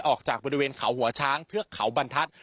ออกจากบริเวณเขาหัวช้างเทือกเขาบรรทัศน์